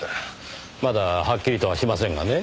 まだはっきりとはしませんがね。